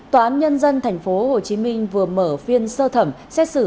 tòa án nhân dân thành phố hồ chí minh vừa mở phiên sơ thẩm xét xử